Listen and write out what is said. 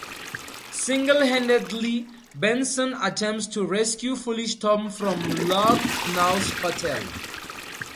Single-handedly, Benson attempts to rescue foolish Tom from Lucknow's hotel.